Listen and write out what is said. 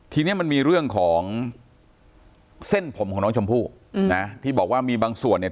ทีนี้มันมีเรื่องของเส้นผมของน้องชมพู่นะที่บอกว่ามีบางส่วนเนี่ย